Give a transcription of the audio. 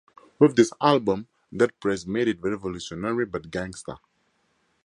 With this album Dead Prez made it Revolutionary But Gangsta.